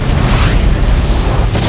tidak ada yang lebih sakti dariku